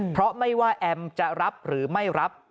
เพราะไม่ว่าแอมจะรับหรือไม่รับ